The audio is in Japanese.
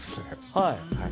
はい。